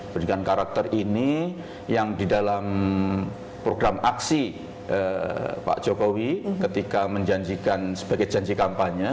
pendidikan karakter ini yang di dalam program aksi pak jokowi ketika menjanjikan sebagai janji kampanye